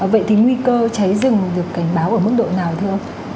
vậy thì nguy cơ cháy rừng được cảnh báo ở mức độ nào thưa ông